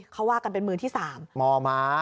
เขาว่ากันเป็นมือที่๓มม้า